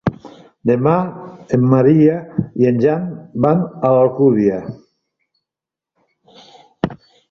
Demà en Maria i en Jan van a l'Alcúdia.